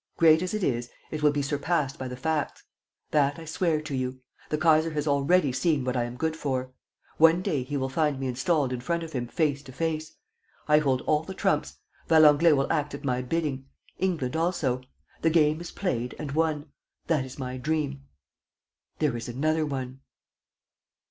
Great as it is, it will be surpassed by the facts: that I swear to you. The Kaiser has already seen what I am good for. One day, he will find me installed in front of him, face to face. I hold all the trumps. Valenglay will act at my bidding. ... England also. ... The game is played and won. ... That is my dream. ... There is another one.